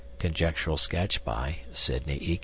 (Conjectural sketch by Sidney E.